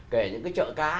kể những cái chợ cá